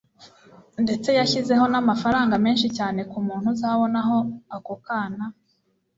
ndetse yashyizeho namafaranga menshi cyane kumuntu uzabona aho ako kana